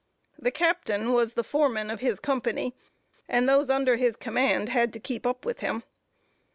The captain was the foreman of his company, and those under his command had to keep up with him.